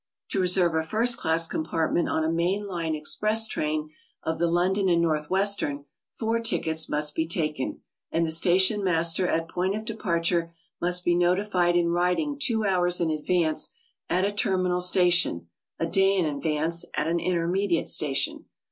To reserve a first class com partment on a main line express train of the London & North Western, four tickets must be taken, and the station master at point of departure must be notified in writing two hours in advance at a terminal station, a day in advance at an intermediate station.